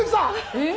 えっ？